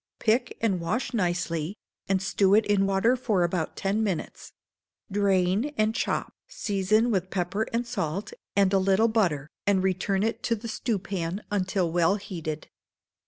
Pick and wash nicely, and stew it in water for about ten minutes; drain and chop, season with pepper and salt, add a little butter, and return it to the stewpan until well heated.